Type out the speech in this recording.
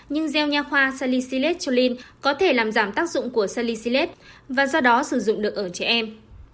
nhưng gel nha khoa salicylate choline có thể làm giảm tác dụng của salicylate và do đó sử dụng được ở trẻ em